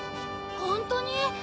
ホントに？